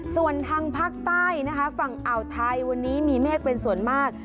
ส่วนทางภาคใต้นะคะฝั่งอ่าวไทยวันนี้มีเมฆเป็นส่วนมาก